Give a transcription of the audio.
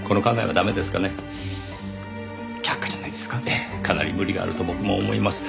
ええかなり無理があると僕も思います。